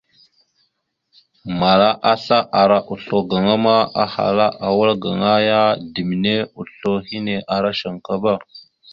Mala asla ara oslo gaŋa ma ahala a wal gaŋa ya ɗimne oslo hine ara shankaba.